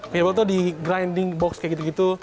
feeble tuh di grinding box kayak gitu gitu